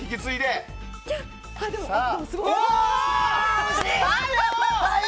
惜しい！